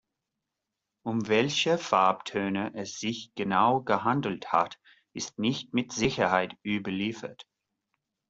Um welche Farbtöne es sich genau gehandelt hat, ist nicht mit Sicherheit überliefert.